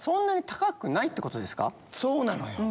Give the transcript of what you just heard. そうなのよ。